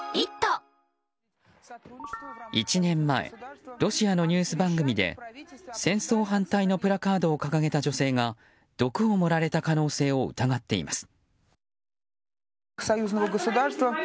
１年前ロシアのニュース番組で戦争反対のプラカードを掲げた女性が毒を盛られた可能性を疑っています。